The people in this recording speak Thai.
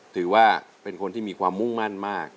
ถือว่าเป็นคนที่มีความมุ่งมั่นมาก